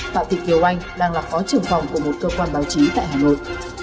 phạm thị kiều anh đang là phó trưởng phòng của một cơ quan báo chí tại hà nội